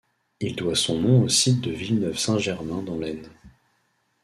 Il doit son nom au site de Villeneuve-Saint-Germain dans l'Aisne.